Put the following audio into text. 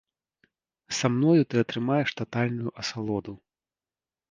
Са мною ты атрымаеш татальную асалоду.